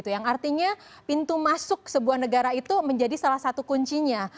yang artinya pintu masuk sebuah negara itu menjadi salah satu kuncinya